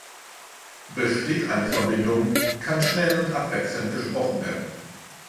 Besteht eine Verbindung, kann schnell und abwechselnd gesprochen werden.